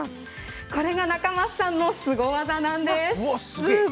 これが仲舛さんのすご技なんです。